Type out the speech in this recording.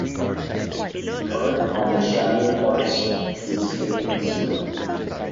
Current on the shadowed parts is taken as zero.